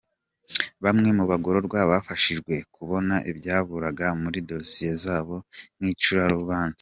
Bamwe mu bagororwa bafashijwe kubona ibyaburaga muri dosiye zabo nk’icarubanza.